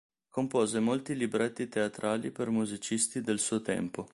Compose molti libretti teatrali per musicisti del suo tempo.